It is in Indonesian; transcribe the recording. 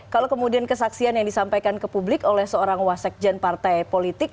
kalau kemudian kesaksian yang disampaikan ke publik oleh seorang wasekjen partai politik